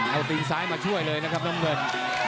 เอาตีนซ้ายมาช่วยเลยนะครับน้ำเงิน